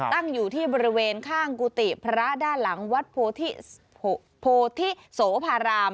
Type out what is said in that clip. ตั้งอยู่ที่บริเวณข้างกุฏิพระด้านหลังวัดโพธิโพธิโสภาราม